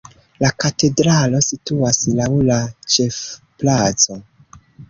La katedralo situas laŭ la ĉefplaco.